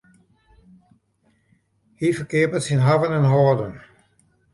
Hy ferkeapet syn hawwen en hâlden.